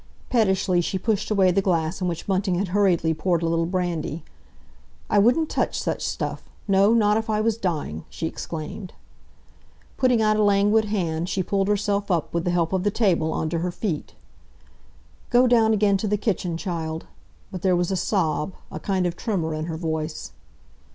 Pettishly she pushed away the glass in which Bunting had hurriedly poured a little brandy. "I wouldn't touch such stuff—no, not if I was dying!" she exclaimed. Putting out a languid hand, she pulled herself up, with the help of the table, on to her feet. "Go down again to the kitchen, child"; but there was a sob, a kind of tremor in her voice.